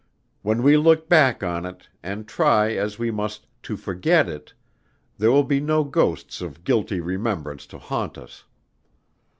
When we look back on it, and try, as we must, to forget it, there will be no ghosts of guilty remembrance to haunt us.